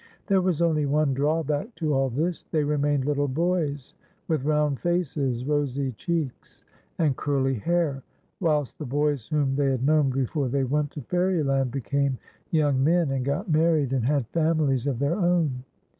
There was only one drawback to all this: they remained little bays v. ith round faces, rosy cheeks, and curly hair, whilst the boys whom they had known before they went to Fairyland, be came young men, and got married, and had families of their own.